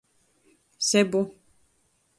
Sebu.